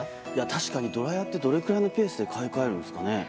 確かにドライヤーってどれくらいのペースで買い替えるんですかね。